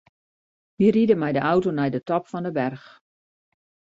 Wy ride mei de auto nei de top fan de berch.